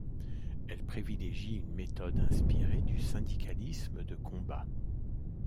Elle privilégie une méthode inspirée du syndicalisme de combat.